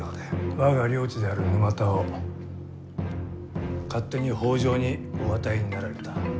我が領地である沼田を勝手に北条にお与えになられた。